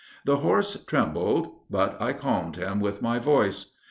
The horse trembled; but I calmed him with my voice.